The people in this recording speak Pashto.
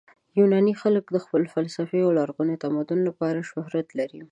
یوناني خلک د خپل فلسفې او لرغوني تمدن لپاره شهرت لري.